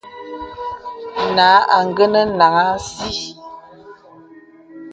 Nā āngənə́ naŋhàŋ así.